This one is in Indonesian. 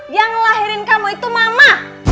yang ngelahirin kamu itu mama